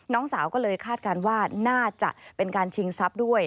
น้องสาวก็เลยคาดการณ์ว่าน่าจะเป็นการชิงทรัพย์ด้วย